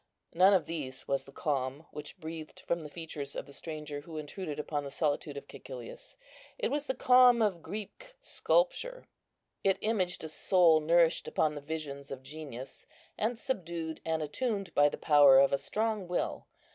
None of these was the calm which breathed from the features of the stranger who intruded upon the solitude of Cæcilius. It was the calm of Greek sculpture; it imaged a soul nourished upon the visions of genius, and subdued and attuned by the power of a strong will.